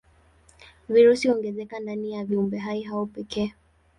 Virusi huongezeka ndani ya viumbehai hao pekee.